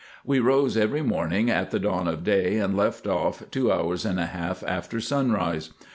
We rose every morning at the dawn of day, and left off two hours and half after sunrise.